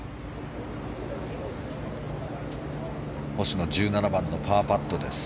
星野、１７番のパーパットです。